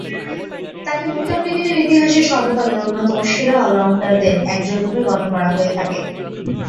তাকে মহিলা ক্রিকেটের ইতিহাসে সর্বকালের অন্যতম সেরা অল-রাউন্ডারদের একজনরূপে গণ্য করা হয়ে থাকে।